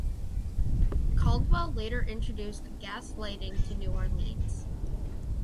Caldwell later introduced gas lighting to New Orleans.